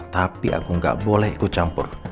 tapi aku gak boleh ikut campur